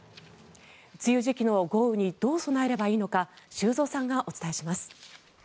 梅雨時期の豪雨にどう備えればいいのか修造さんがお伝えします。